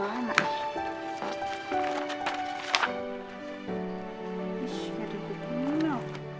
ish gara gara ini eno